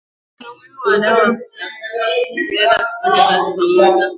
kuna umuhimu wa wadau wa taasisi za kifedha kufanya kazi pamoja